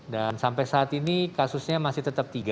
dan sampai saat ini kasusnya masih tetap tiga